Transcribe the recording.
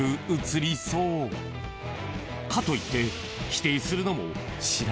［かといって］